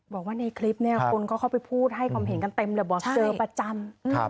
บอกว่าในคลิปเนี่ยคนก็เข้าไปพูดให้ความเห็นกันเต็มเลยบอกเจอประจำ